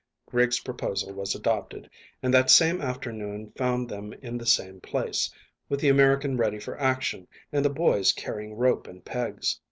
Griggs' proposal was adopted, and that same afternoon found them in the same place, with the American ready for action, and the boys carrying rope and pegs.